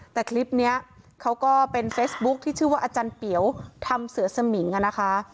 แต่คลิปนี้เขาก็เป็นเฟซบุ๊คที่ชื่อว่าอาจารย์เปี๋วทำเสือสมิงนะคะ